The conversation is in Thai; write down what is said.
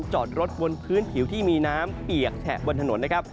จอดรถบนพื้นผิวที่มีน้ำเปียกแฉะบนถนนนะครับ